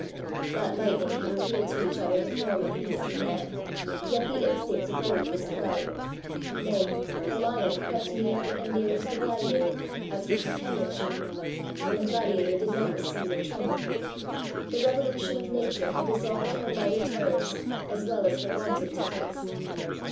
That lightning had revealed to each other the form of beast and man ; yet the instinct of both was quelled. Nay, the lion crept near and nearer to the gladiator as for companionship and the gladiator did not recede or tremble. The revolution of Nature had dissolved her lighter terrors as well as her wonted ties.